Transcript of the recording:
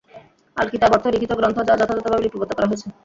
‘আল্-কিতাব’ অর্থ লিখিত গ্রন্থ যা যথাযথভাবে লিপিবদ্ধ করা হয়েছে।